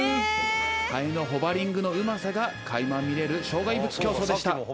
ハエのホバリングのうまさがかいま見れる障害物競走でした。